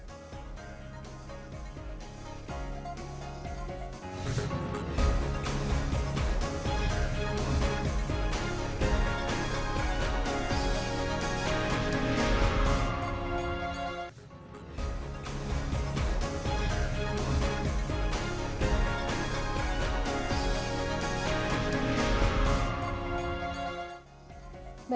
pemirsa jawa baru terbaru